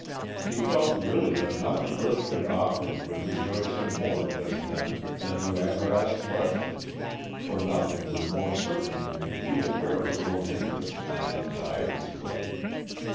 He felt, really, that nothing earth could offer would rejoice him more, just then, than to have her ask questions, for nothing would more certainly reveal where her own interests and anxieties lay.